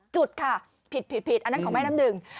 จุดค่ะผิดอันนั้นของแม่น้ำหนึ่ง